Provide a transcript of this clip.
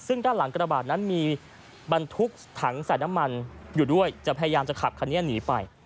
ซึ่งด้านหลังกระบาดนั้นมีบรรทุกถังใส่น้ำมันอยู่ด้วยจะพยายามจะขับคันนี้หนีไป